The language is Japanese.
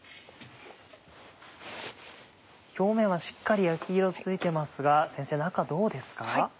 表面はしっかり焼き色ついてますが先生中どうですか？